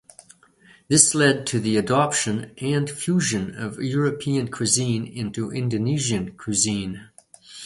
This led to the adoption and fusion of European cuisine into Indonesian cuisine.